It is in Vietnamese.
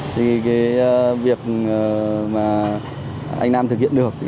thì cái việc mà anh nam thực hiện được